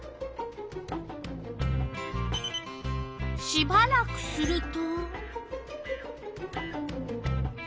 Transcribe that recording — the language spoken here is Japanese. しばらくすると？